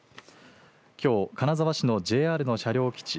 きょう金沢市のＪＲの車両基地